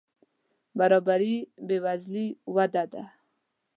برابري بې وزلي وده دي.